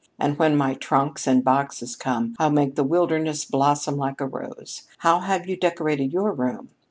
"And when my trunks and boxes come, I'll make the wilderness blossom like a rose. How have you decorated your room?"